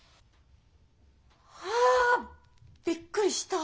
あびっくりした！